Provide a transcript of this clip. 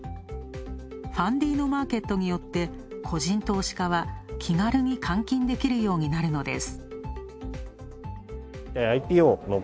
ファンディーノマーケットによって個人投資家は気軽に換金できるようになるのです。